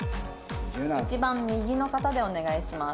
「一番右の方でお願いします」。